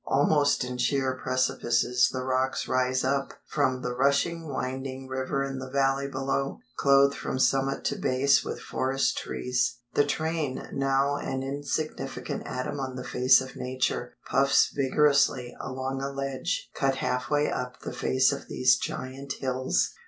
Almost in sheer precipices the rocks rise up from the rushing winding river in the valley below, clothed from summit to base with forest trees. The train, now an insignificant atom on the face of Nature, puffs vigorously along a ledge cut half way up the face of these giant hills.